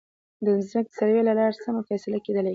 د ځمکې سروې له لارې سمه فیصله کېدلی شي.